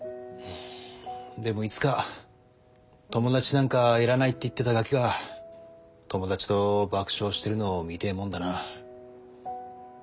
でもいつか「友達なんかいらない」って言ってたガキが友達と爆笑してるのを見てえもんだな。